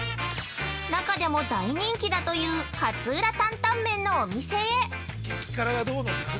中でも大人気だという勝浦タンタンメンのお店へ。